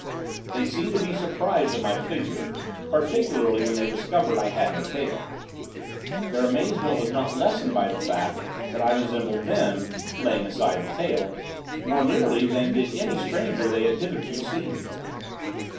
They seemed to be surprised at my figure, particularly when they discovered I had no tail. Their amazement was not at all lessened by the fact, that I resembled them (laying aside the tail) more nearly than did any stranger they had hitherto seen.